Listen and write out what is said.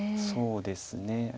そうですね。